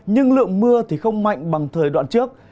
nhưng lượng mưa thì không mạnh bằng thời đoạn trước